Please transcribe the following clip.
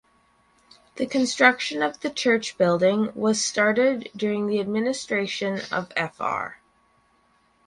The construction of the church building was started during the administration of Fr.